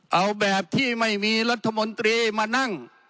เอาแบบที่ไม่มีรัฐมนตรีมานั่ง